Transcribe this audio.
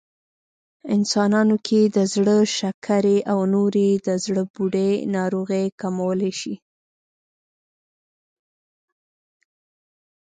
انسانانو کې د زړه، شکرې او نورې د زړبوډۍ ناروغۍ کمولی شي